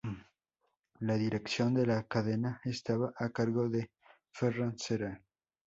La dirección de la cadena estaba a cargo de Ferran Cera.